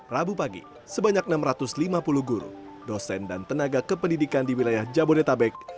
rabu pagi sebanyak enam ratus lima puluh guru dosen dan tenaga kependidikan di wilayah jabodetabek